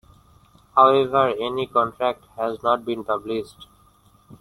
However, any contract has not been published.